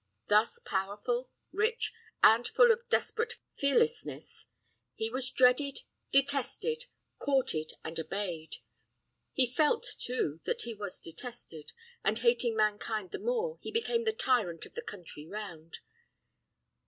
Thus powerful, rich, and full of desperate fearlessness, he was dreaded, detested, courted, and obeyed. He felt, too, that he was detested; and hating mankind the more, he became the tyrant of the country round.